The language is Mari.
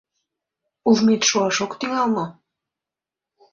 Ужмет шуаш ок тӱҥал мо?